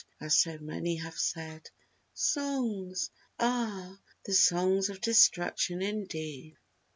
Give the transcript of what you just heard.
as so many have said. Songs!!! Ah! the songs of Destruction indeed.